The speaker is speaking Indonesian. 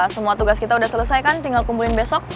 semua tugas kita udah selesai kan tinggal kumpulin besok